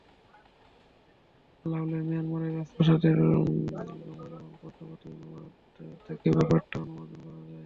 আলাওলের মিয়ানমারের রাজপ্রাসাদে গমন এবং পদ্মাবতী অনুবাদ থেকেও ব্যাপারটা অনুমান করা যায়।